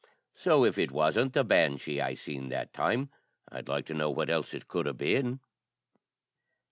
So if it wasn't the banshee I seen that time, I'd like to know what else it could a' been."